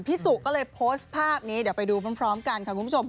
สุก็เลยโพสต์ภาพนี้เดี๋ยวไปดูพร้อมกันค่ะคุณผู้ชม